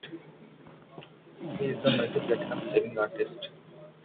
He is a multi-platinum selling artist.